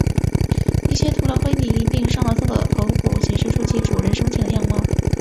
一些涂了灰泥并上了色的头骨显示出了其主人生前的样貌。